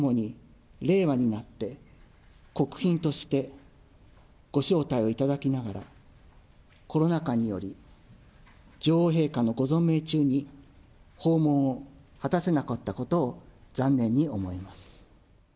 それとともに、令和になって、国賓としてご招待をいただきながら、コロナ禍により、女王陛下のご存命中に訪問を果たせなかったことを残念に思います。